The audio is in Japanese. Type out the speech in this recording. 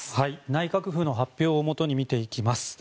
内閣府の発表をもとに見ていきます。